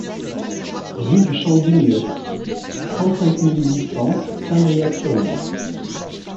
Rue du Champ Guigneux, trente-cinq mille huit cents Saint-Briac-sur-Mer